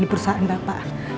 di perusahaan bapak